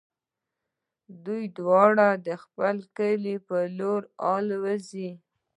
دوی دواړه د خپل کلي په لور الوزي.